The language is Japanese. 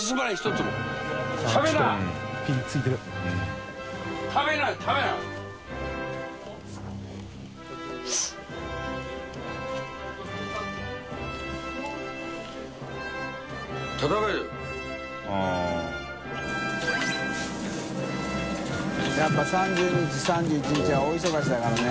舛叩笋辰３０日３１日は大忙しだからね。